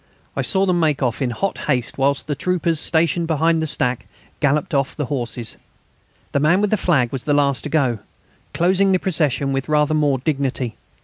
I saw them make off in hot haste whilst the troopers, stationed behind the stack, galloped off the horses. The man with the flag was the last to go, closing the procession with rather more dignity.